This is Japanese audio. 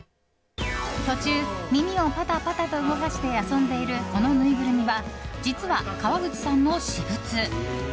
途中、耳をパタパタと動かして遊んでいるこのぬいぐるみは実は、川口さんの私物。